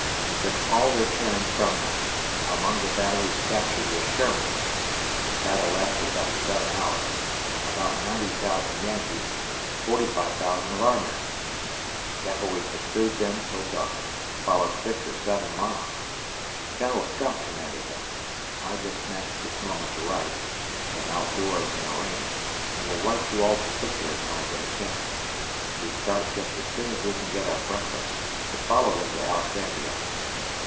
We took all of their cannon from them; among the batteries captured was Sherman's battle lasted about 7 hours about 90,000 Yankees, 45,000 of our men. The cavalry pursued them till dark followed 6 or 7 miles. Genl. Scott commanded them. I just snatch this moment to write am out doors in a rain will write you all particulars when I get a chance. We start just as soon as we can get our breakfast to follow them to Alexandria.